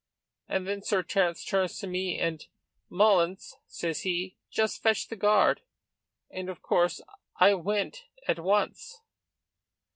And then Sir Terence turns to me, and 'Mullins,' says he, 'just fetch the guard,' and of course, I went at once."